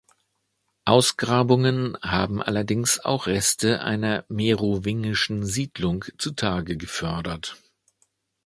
Ausgrabungen haben allerdings auch Reste einer merowingischen Siedlung zu Tage gefördert.